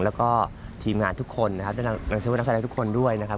แล้วก็ทีมงานทุกคนนะครับด้านหลังชีวิตนักแสดงทุกคนด้วยนะครับ